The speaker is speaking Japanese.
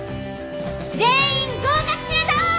全員合格するぞ！